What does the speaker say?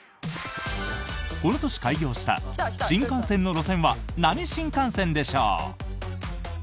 この年開業した新幹線の路線は何新幹線でしょう。